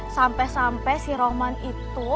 sampai sampai si roman itu